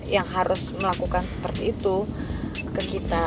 yang harus melakukan seperti itu ke kita